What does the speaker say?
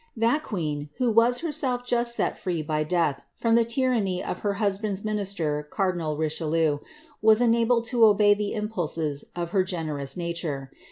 That queen, who was herself just set free, by death, from the tyrannf of her husband'*8 minister, cardinal Richelieu, was enabled to obey the impulses of her generous nature.